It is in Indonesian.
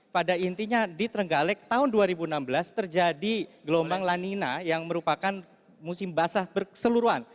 pada intinya di trenggalek tahun dua ribu enam belas terjadi gelombang lanina yang merupakan musim basah berseluruhan